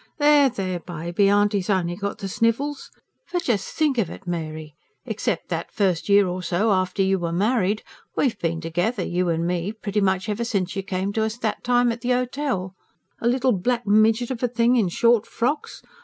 "There, there, Baby, Auntie's only got the sniffles. For just think of it, Mary: except that first year or so after you were married, we've been together, you and me, pretty much ever since you came to us that time at the 'otel a little black midget of a thing in short frocks.